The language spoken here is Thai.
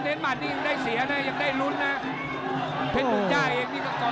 เออเล่นหมัดนี่ยังได้เสียน่ะยังได้รุ้นน่ะเพชรบรึงจ้าเองนี่ก็ก่อ